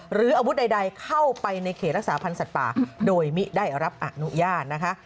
หรืออาวุธใดเข้าไปในเขตรักษาพันธ์สัตว์ป่าโดยมิได้รับอนุญาตนะคะ